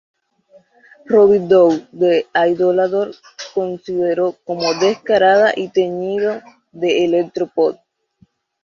Robbie Daw de Idolator consideró como "descarada y teñido de electro-pop".